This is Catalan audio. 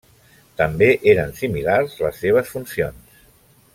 També eren similars les seves funcions.